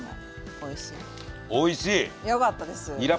おいしい！